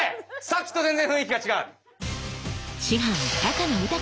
さっきと全然雰囲気が違う。